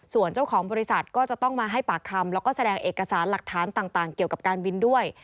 ส่วนเจ้าของบริษัทก็จะต้องมาให้ปากคำแล้วก็แสดงเอกสารหลักฐานต่างเกี่ยวกับการบินด้วย